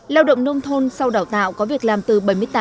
lao động nông thôn sau đào tạo có việc làm từ bảy mươi tám tám mươi một